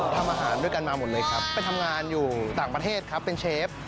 ทำอาหารด้วยกันมาหมดเลยครับไปทำงานอยู่ต่างประเทศครับเป็นเชฟ